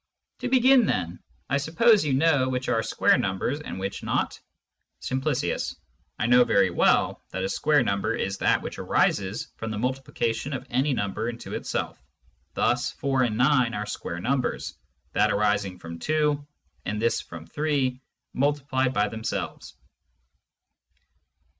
To begin then : I suppose you know which are square Numbers, and which not? ^^ Simp. I know very well that a square Number is that which arises from the Multiplication of any Number into itself ; thus 4 and 9 are square Numbers, that arising from 2, and this from 3, multiplied by themselves.